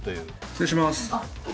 失礼します。